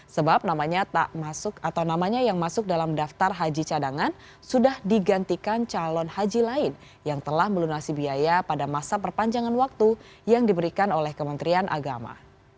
sebab namanya tak masuk atau namanya yang masuk dalam daftar haji cadangan sudah digantikan calon haji lain yang telah melunasi biaya pada masa perpanjangan waktu yang diberikan oleh kementerian agama